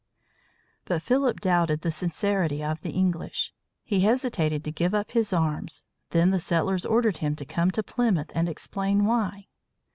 But Philip doubted the sincerity of the English. He hesitated to give up his arms. Then the settlers ordered him to come to Plymouth and explain why.